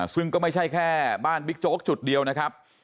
ซึ่งก็ไม่ใช่แค่บ้านบิ๊กโจ๊กจุดเดียวนะครับ